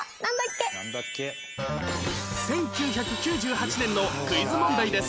１９９８年のクイズ問題です